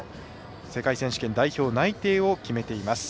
世界選手権代表内定を決めています。